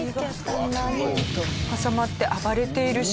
挟まって暴れている鹿。